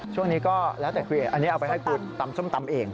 ช่วงนี้ก็แล้วแต่คืออันนี้เอาไปให้คุณตำส้มตำเอง